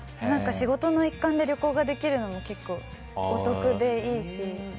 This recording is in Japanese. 仕事の一環で旅行ができるのも、お得でいいし。